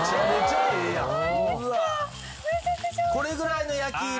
これぐらいの焼き色？